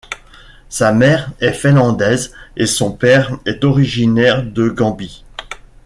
Sa mère est finlandaise et son père est originaire de Gambie.